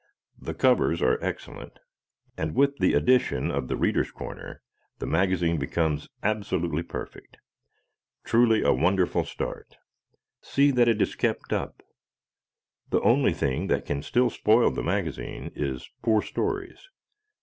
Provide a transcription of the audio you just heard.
The covers are excellent, and with the addition of "The Readers' Corner" the magazine becomes absolutely perfect. Truly a wonderful start. See that it is kept up. The only thing that can still spoil the magazine is poor stories.